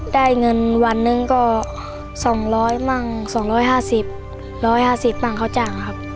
ได้เงินวันนึงก็สองร้อยบ้างสองร้อยห้าสิบสองร้อยห้าสิบบ้างเขาจ่างครับ